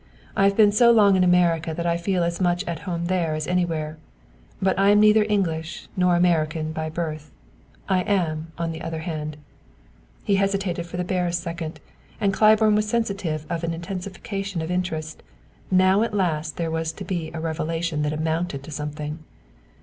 "I have been so long in America that I feel as much at home there as anywhere but I am neither English nor American by birth; I am, on the other hand " He hesitated for the barest second, and Claiborne was sensible of an intensification of interest; now at last there was to be a revelation that amounted to something.